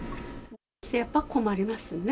やっぱ困りますね。